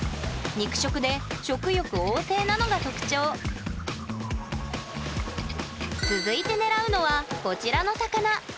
肉食で食欲旺盛なのが特徴続いて狙うのはこちらの魚。